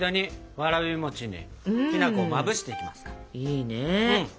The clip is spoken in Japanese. いいね！